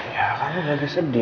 ya kamu agak sedih